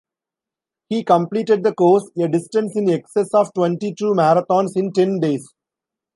He completed the course, a distance in excess of twenty-two marathons, in ten days.